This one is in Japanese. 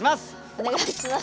お願いします。